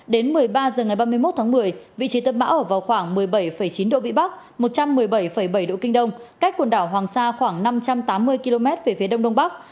đến một mươi ba h ngày ba mươi một tháng một mươi vị trí tâm bão ở vào khoảng một mươi bảy chín độ vĩ bắc một trăm một mươi bảy bảy độ kinh đông cách quần đảo hoàng sa khoảng năm trăm tám mươi km về phía đông đông bắc